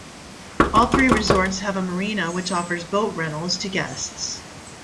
All three resorts have a marina which offers boat rentals to guests.